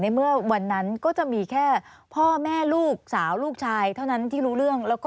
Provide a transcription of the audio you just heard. เมื่อวันนั้นก็จะมีแค่พ่อแม่ลูกสาวลูกชายเท่านั้นที่รู้เรื่อง